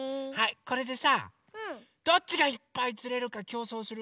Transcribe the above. これでさどっちがいっぱいつれるかきょうそうする？